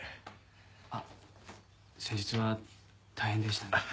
あっ先日は大変でしたね。